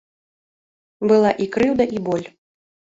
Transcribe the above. Была і крыўда і боль.